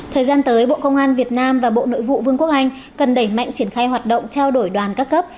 thời gian tới bộ công an việt nam và bộ nội vụ vương quốc anh cần đẩy mạnh triển khai hoạt động trao đổi đoàn các cấp